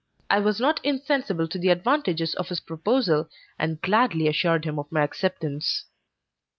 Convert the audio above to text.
I was not insensible to the advantages of his proposal, and gladly assured him of my acceptance.